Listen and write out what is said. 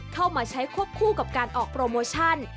เข้ามาใช้ควบคู่กับการออกโปรโมชั่น